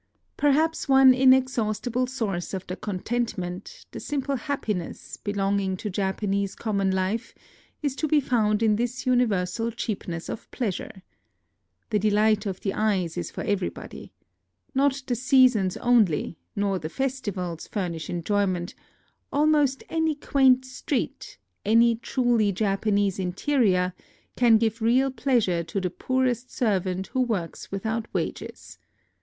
Perhaps one inexhaustible source of the contentment, the simple happiness, belonging to Japanese common life is to be found in this universal cheapness of pleasure. The delight of the eyes is for everybody. Not the seasons only nor the festivals furnish enjoyment: almost any quaint street, any NOTES OF A TRIP TO KYOTO 65 truly Japanese interior, can give real pleas ure to tlie poorest servant who works with out wages.